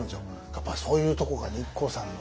やっぱそういうとこがねＩＫＫＯさんの。